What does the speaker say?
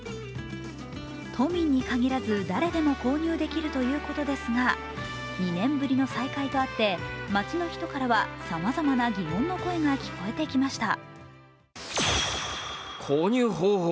都民に限らず誰でも購入できるということですが２年ぶりの再開とあった街の人からはさまざまな疑問の声が聞こえてきました。